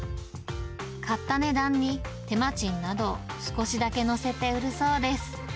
買った値段に手間賃などを少しだけ乗せて売るそうです。